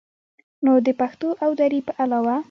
نو د پښتو او دري په علاوه